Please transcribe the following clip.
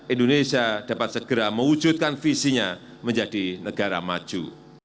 indonesia dapat segera mewujudkan visinya menjadi negara maju